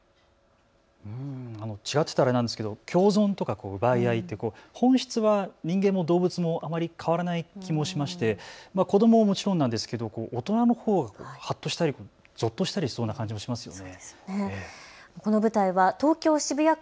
違ってたらあれなんですけれど共存、奪い合いって本質は人間も動物もあまり変わらない気もしまして、子どもはもちろんなんですけれど大人の方もはっとしたりぞっとしたりしそうな感じがしますよね。